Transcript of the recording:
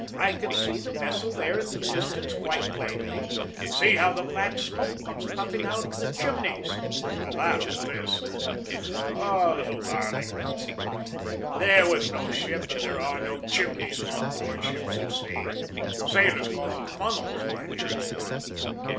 `I can see the vessel there in the distance quite plainly. See how the black smoke comes puffing out of the chimneys.' "I laughed at this. "`Little darling,' said I, `there was no ship, and there are no "chimneys" on board ships at sea. Sailors call them funnels, my dearest one.'